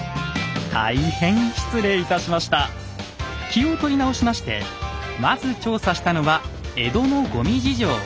気を取り直しましてまず調査したのは江戸のごみ事情。